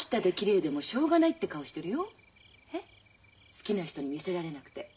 好きな人に見せられなくて。